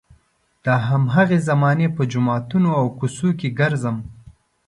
د هماغې زمانې په جوماتونو او کوڅو کې ګرځم.